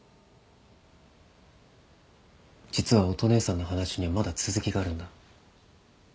実は乙姉さんの話にはまだ続きがあるんだ。